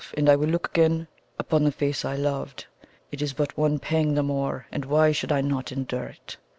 And I will look again upon upon the face I loved. It is but one pang the more, and why should I not endure it?"